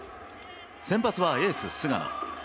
先発はエース、菅野。